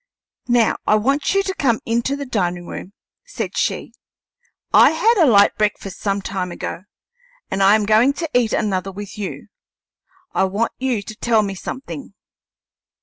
"Now I want you to come into the dining room," said she. "I had a light breakfast some time ago, and I am going to eat another with you. I want you to tell me something.